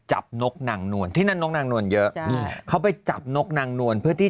นกนางนวลที่นั่นนกนางนวลเยอะอืมเขาไปจับนกนางนวลเพื่อที่